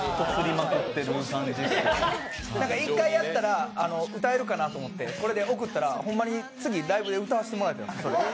１回やったら歌えるかなと思って送ったらホンマに次ライブで歌わせてもらったんです。